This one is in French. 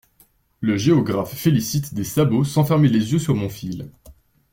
Le géographe félicite des sabots sans fermer les yeux sur mon fil.